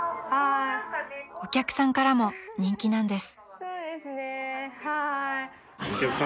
［お客さんからも人気なんです］